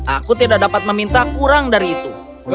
aku tidak dapat meminta kurang dari itu